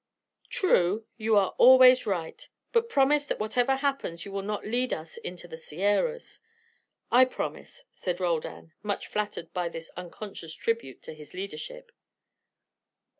"True. You are always right. But promise that whatever happens you will not lead us into the Sierras." "I promise," said Roldan, much flattered by this unconscious tribute to his leadership.